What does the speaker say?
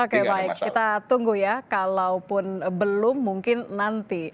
oke baik kita tunggu ya kalaupun belum mungkin nanti